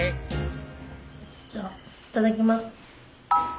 じゃあいただきます。